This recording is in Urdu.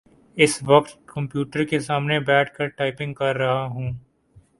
اس وقت کمپیوٹر کے سامنے بیٹھ کر ٹائپنگ کر رہا ہوں۔